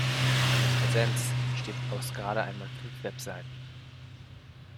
Seine Präsenz besteht aus gerade einmal fünf Webseiten.